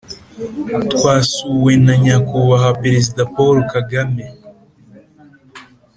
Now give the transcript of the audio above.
Twasuwe na nyakubahwa perezida Paul Kagame